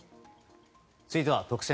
続いては特選！！